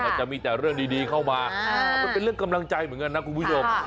จะมีแต่เรื่องดีเข้ามามันเป็นเรื่องกำลังใจเหมือนกันนะคุณผู้ชม